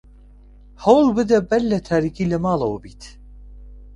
هەوڵ بدە بەر لە تاریکی لە ماڵەوە بیت.